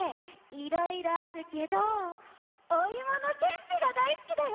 いろいろあるけどおいものけんぴがだいすきだよ！